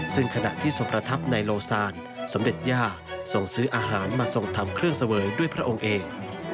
ซึ่งขณะที่ทรงประทับในโลซานสมเด็จย่าส่งซื้ออาหารมาส่งทำเครื่องเสวยด้วยพระองค์เอง